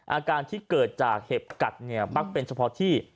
อาการที่เกิดจากเห็บกัดเนี่ยมักเป็นเฉพาะที่